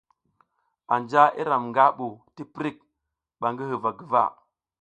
Anja iram nga bu tiprik ba ngi huva guva.